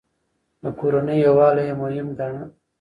د کورنۍ يووالی يې مهم ګاڼه.